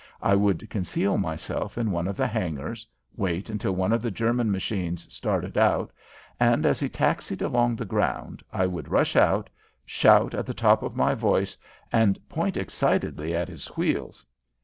I would conceal myself in one of the hangars, wait until one of the German machines started out, and as he taxied along the ground I would rush out, shout at the top of my voice, and point excitedly at his wheels.